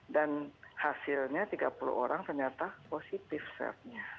dan hasilnya tiga puluh orang ternyata positif swab nya